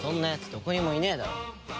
どこにもいねえだろ。